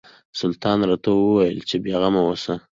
سلطان راته وویل چې بېغمه اوسه.